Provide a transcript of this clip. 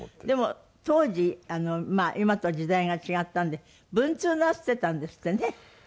でも当時今と時代が違ったんで文通なすってたんですってね。